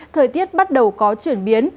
thời tiết bắt đầu có chuyển biến